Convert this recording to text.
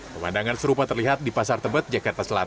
pemandangan serupa terlihat di pasar tebet jakarta selatan